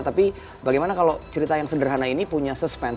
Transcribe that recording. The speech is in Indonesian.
tapi bagaimana kalau cerita yang sederhana ini punya suspend